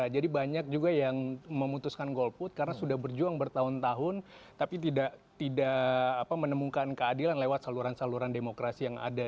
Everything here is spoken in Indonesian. jadi banyak juga yang memutuskan golput karena sudah berjuang bertahun tahun tapi tidak menemukan keadilan lewat saluran saluran demokrasi yang ada